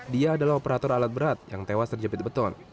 dia adalah operator alat berat yang tewas terjepit beton